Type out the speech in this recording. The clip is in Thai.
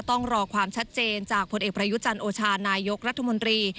ต้องรอความชัดเจนจากผลเอกประยุจันทร์โอชานายกรัฐมนตรี